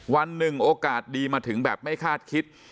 วันหนึ่งโอกาสดีมาถึงแบบไม่คาดคิด